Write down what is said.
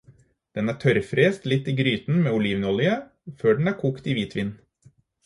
Den er tørrfrest litt i gryten med olivenolje, før den er kokt i hvitvin.